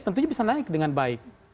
tentunya bisa naik dengan baik